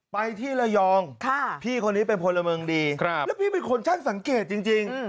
ไปที่ระยองพี่คนนี้เป็นพลเมืองดีแล้วพี่เป็นคนช่างสังเกตจริง